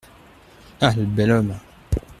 Ah ! le bel homme !